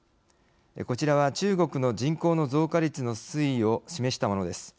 こちらは中国の人口の増加率の推移を示したものです。